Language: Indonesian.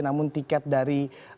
namun tiket dari